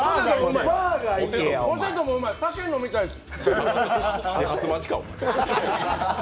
ポテトもうまい、酒飲みたいです。